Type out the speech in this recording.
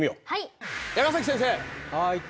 はい。